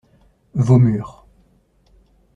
Vos murs.